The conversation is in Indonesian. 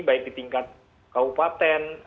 baik di tingkat kabupaten